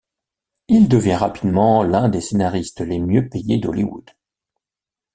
Il devient rapidement l'un des scénaristes les mieux payés d'Hollywood.